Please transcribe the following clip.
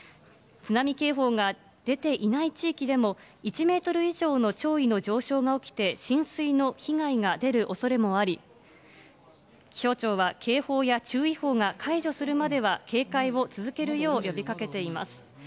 津波警報が出ていない地域でも、１メートル以上の潮位の上昇が起きて、浸水の被害が出るおそれもあり、気象庁は警報や注意報が解除するまでは、警戒を続けるよう呼びかけています。